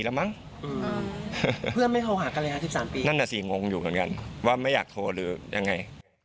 นั่นน่ะสิงงอยู่กันกันว่าไม่อยากโทรหรือยังไง